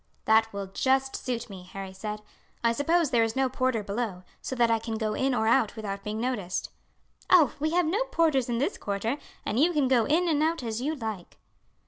"That will just suit me," Harry said. "I suppose there is no porter below, so that I can go in or out without being noticed." "Oh, we have no porters in this quarter, and you can go in and out as you like."